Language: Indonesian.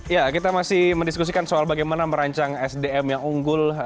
ya kita masih mendiskusikan soal bagaimana merancang sdm yang unggul